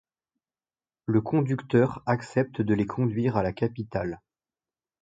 Le conducteur accepte de les conduire à la capitale.